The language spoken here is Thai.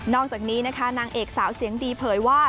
อกจากนี้นะคะนางเอกสาวเสียงดีเผยว่า